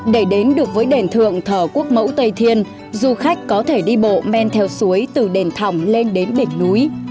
để đến được với đền thượng thờ quốc mẫu tây thiên du khách có thể đi bộ men theo suối từ đền thỏng lên đến đỉnh núi